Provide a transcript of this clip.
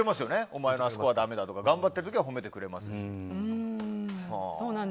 お前のあそこはだめだとか頑張ってる時は褒めてくれますし。